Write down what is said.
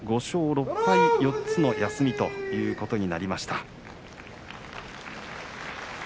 ５勝６敗、４つの休みということになりました。